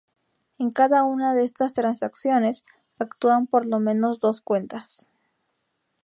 En cada una de esas transacciones, actúan por lo menos dos cuentas.